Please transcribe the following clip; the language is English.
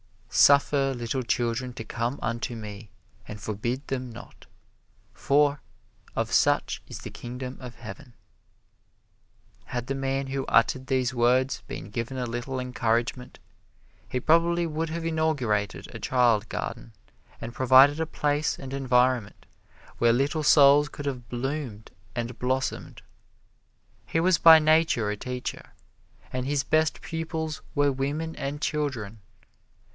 "Suffer little children to come unto me, and forbid them not, for of such is the Kingdom of Heaven." Had the man who uttered these words been given a little encouragement, he probably would have inaugurated a child garden and provided a place and environment where little souls could have bloomed and blossomed. He was by nature a teacher, and his best pupils were women and children.